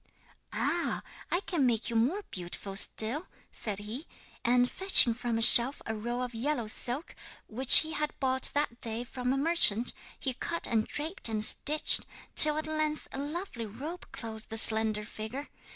'"Ah! I can make you more beautiful still," said he. And fetching from a shelf a roll of yellow silk which he had bought that day from a merchant, he cut and draped and stitched, till at length a lovely robe clothed the slender figure.